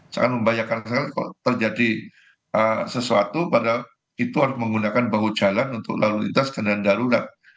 sangat membahayakan sekali kalau terjadi sesuatu padahal itu harus menggunakan bahu jalan untuk lalu lintas kendaraan darurat